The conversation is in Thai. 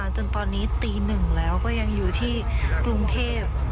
จนตอนนี้ตี๑แล้วก็ยังอยู่ที่กรุงเทพ